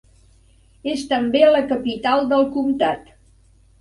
És també la capital del comtat.